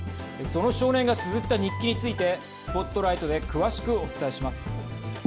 その少年がつづった日記についてＳＰＯＴＬＩＧＨＴで詳しくお伝えします。